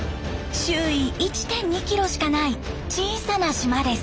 周囲１．２キロしかない小さな島です。